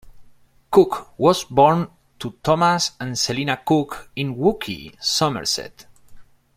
Cook was born to Thomas and Selina Cook in Wookey, Somerset.